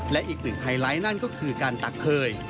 และอีกหนึ่งไฮไลท์นั่นก็คือการตักเคย